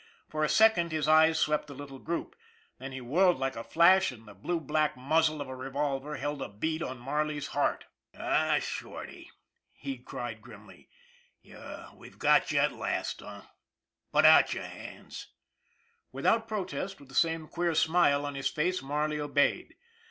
For a second his eyes swept the little group. Then he whirled like a flash, and the blue black muzzle of a revolver held a bead on Marley's heart. " Ah, Shorty," he cried grimly, " we've got you at last, eh ? Put out your hands !" Without protest, with the same queer smile on his face, Marley obeyed.